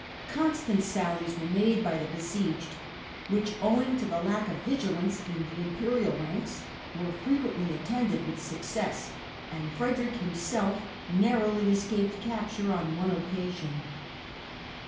Constant sallies were made by the besieged which, owing to the lack of vigilance in the Imperial ranks, were frequently attended with success, and Frederick himself narrowly escaped capture on one occasion.